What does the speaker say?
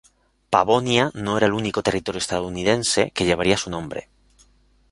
Pavonia no era el único territorio estadounidense que llevaría su nombre.